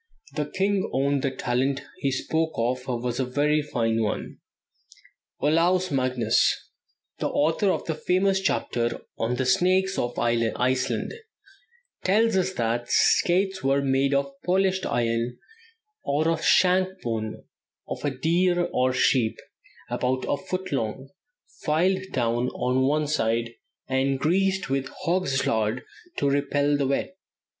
The king owned that the talent he spoke of was a very fine one." Olaus Magnus, the author of the famous chapter on the Snakes of Iceland, tells us that skates were made "of polished iron, or of the shank bone of a deer or sheep, about a foot long, filed down on one side, and greased with hog's lard to repel the wet."